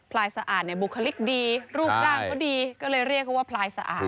ลายสะอาดเนี่ยบุคลิกดีรูปร่างก็ดีก็เลยเรียกเขาว่าพลายสะอาด